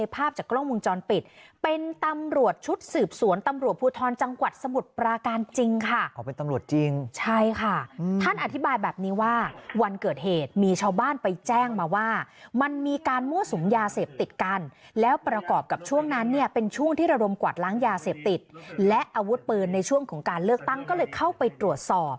ภาพจากกล้องวงจรปิดเป็นตำรวจชุดสืบสวนตำรวจภูทรจังหวัดสมุทรปราการจริงค่ะเขาเป็นตำรวจจริงใช่ค่ะท่านอธิบายแบบนี้ว่าวันเกิดเหตุมีชาวบ้านไปแจ้งมาว่ามันมีการมั่วสุมยาเสพติดกันแล้วประกอบกับช่วงนั้นเนี่ยเป็นช่วงที่ระดมกวาดล้างยาเสพติดและอาวุธปืนในช่วงของการเลือกตั้งก็เลยเข้าไปตรวจสอบ